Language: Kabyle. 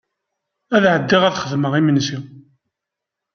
Ad ɛeddiɣ ad xedmeɣ imensi.